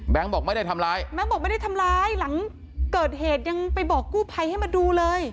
บอกไม่ได้ทำร้ายแบงค์บอกไม่ได้ทำร้ายหลังเกิดเหตุยังไปบอกกู้ภัยให้มาดูเลย